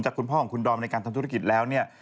คุณพ่อของคุณดอมในการทำธุรกิจแล้วเนี่ย